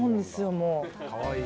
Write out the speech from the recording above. もう。